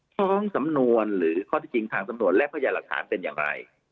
ฟ้องสำนวนหรือข้อที่จริงทางสำนวนและพยานหลักฐานเป็นอย่างไร